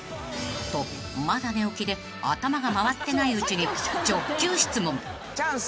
［とまだ寝起きで頭が回ってないうちに直球質問］